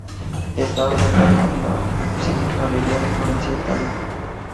Está albergado en la Uffizi Galería de Florencia, Italia.